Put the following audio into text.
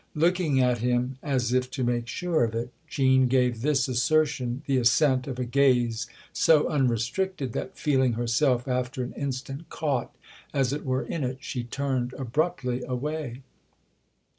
Looking at him as if to make sure of it, Jean gave this assertion the assent of a gaze so unrestricted that, feeling herself after an instant caught, as it were, in it, she turned abruptly away.